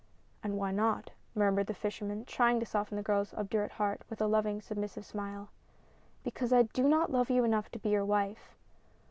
"And why not?" murmured the fisherman, trying to soften the girl's obdurate heart with a loving, sub missive smile. " Because I do not love you enough to be your wife."